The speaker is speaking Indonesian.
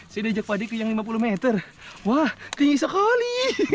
sini jakob di yang lima puluh meter wah tinggi sekali